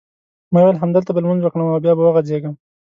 ما وېل همدلته به لمونځ وکړم او بیا به وغځېږم.